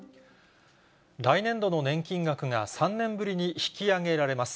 来年度の年金額が３年ぶりに引き上げられます。